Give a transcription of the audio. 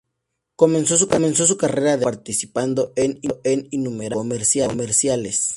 Comenzó su carrera de actor participando en innumerable comerciales.